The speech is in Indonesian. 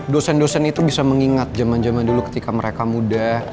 dosen dosen itu bisa mengingat zaman zaman dulu ketika mereka muda